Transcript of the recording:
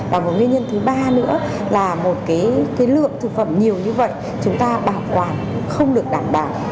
và một nguyên nhân thứ ba nữa là một lượng thực phẩm nhiều như vậy chúng ta bảo quản không được đảm bảo